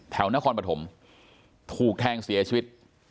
นครปฐมถูกแทงเสียชีวิต